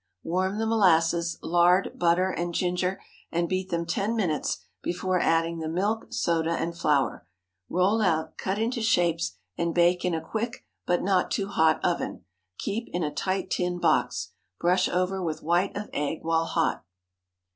Warm the molasses, lard, butter, and ginger, and beat them ten minutes before adding the milk, soda, and flour. Roll out, cut into shapes, and bake in a quick, but not too hot oven. Keep in a tight tin box. Brush over with white of egg while hot.